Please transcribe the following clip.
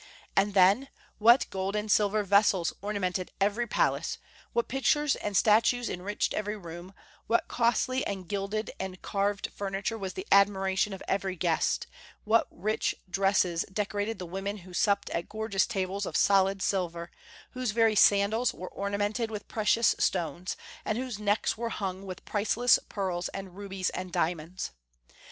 And then, what gold and silver vessels ornamented every palace, what pictures and statues enriched every room, what costly and gilded and carved furniture was the admiration of every guest, what rich dresses decorated the women who supped at gorgeous tables of solid silver, whose very sandals were ornamented with precious stones, and whose necks were hung with priceless pearls and rubies and diamonds!